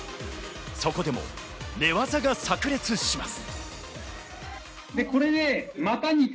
そこでも寝技が炸裂します。